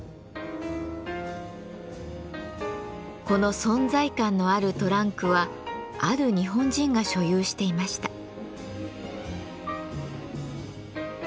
この存在感のあるトランクはある日本人が所有していました。